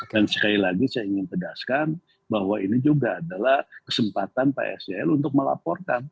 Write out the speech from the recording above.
dan sekali lagi saya ingin pedaskan bahwa ini juga adalah kesempatan pak sel untuk melaporkan